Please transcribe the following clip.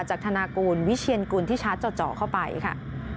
ธนากูลวิเชียนกุลที่ชาร์จ่อเข้าไปค่ะ